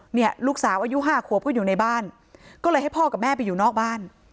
เนี่ยลูกสาวอายุห้าขวบก็อยู่ในบ้านก็เลยให้พ่อกับแม่ไปอยู่นอกบ้าน